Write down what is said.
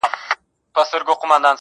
هغه مه ښوروه ژوند راڅخـه اخلي~